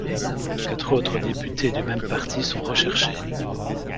Quatre autres députés du même parti sont recherchés.